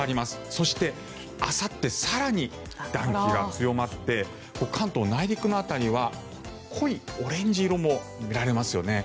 そして、あさって更に暖気が強まって関東内陸の辺りは濃いオレンジ色も見られますよね。